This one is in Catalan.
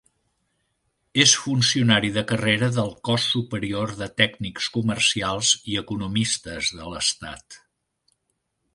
És funcionari de carrera del Cos Superior de Tècnics Comercials i Economistes de l'Estat.